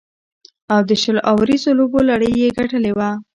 او د شل اوریزو لوبو لړۍ یې ګټلې وه.